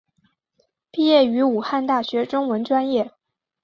毕业于武汉大学中文专业。